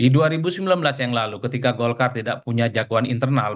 di dua ribu sembilan belas yang lalu ketika golkar tidak punya jagoan internal